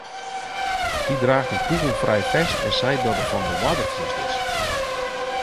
Hy draacht in kûgelfrij fest en seit dat er fan de oardertsjinst is.